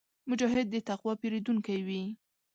مجاهد د تقوا پېرودونکی وي.